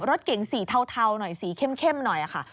รถเก๋งสีเทาหน่อยสีเข้มหน่อยค่ะ